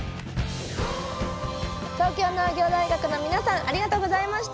東京農業大学の皆さんありがとうございました！